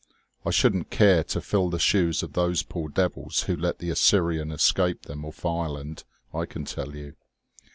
I shouldn't care to fill the shoes of those poor devils who let the Assyrian escape them off Ireland, I can tell you."